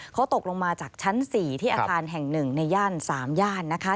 เขาตกลงมาจากชั้น๔ที่อาคารแห่ง๑ในย่าน๓ย่านนะคะ